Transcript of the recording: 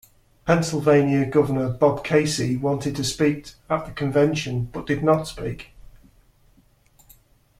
Pennsylvania Governor Bob Casey wanted to speak at the convention, but did not speak.